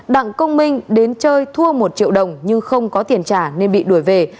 đặng công minh đến chơi thua một triệu đồng nhưng không có tiền trả nên bị đuổi về